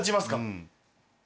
うん。